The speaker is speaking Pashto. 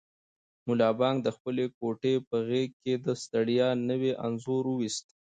ملا بانګ د خپلې کوټې په غېږ کې د ستړیا نوی انځور وایست.